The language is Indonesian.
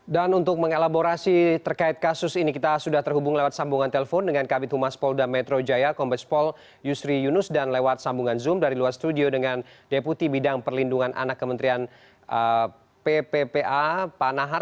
dan untuk mengelaborasi terkait kasus ini kita sudah terhubung lewat sambungan telpon dengan kabinet humas pol dan metro jaya kombes pol yusri yunus dan lewat sambungan zoom dari luar studio dengan deputi bidang perlindungan anak kementerian pppa pak nahar